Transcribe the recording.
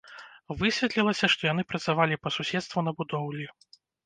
Высветлілася, што яны працавалі па суседству на будоўлі.